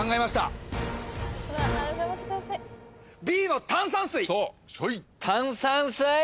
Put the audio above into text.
Ｂの炭酸水！